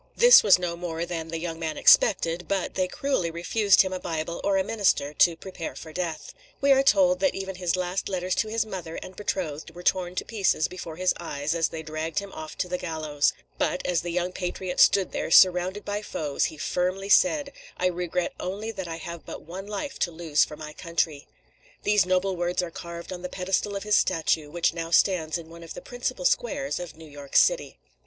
This was no more than the young man expected; but they cruelly refused him a Bible or a minister to prepare for death. We are told that even his last letters to his mother and betrothed were torn to pieces before his eyes, as they dragged him off to the gallows. But as the young patriot stood there, surrounded by foes, he firmly said: "I regret only that I have but one life to lose for my country." These noble words are carved on the pedestal of his statue, which now stands in one of the principal squares of New York city.